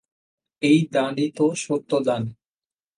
এই দানই তো সত্য দান।